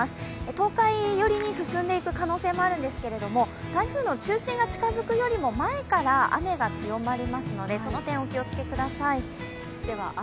東海寄りに進んでいく可能性がありますが台風が中心に進んでいく前から雨が強まりますので、その点、お気をつけください。